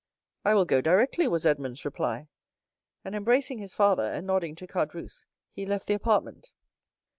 "I will go directly," was Edmond's reply; and, embracing his father, and nodding to Caderousse, he left the apartment.